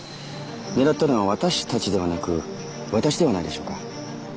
狙ったのは「私たち」ではなく私ではないでしょうか。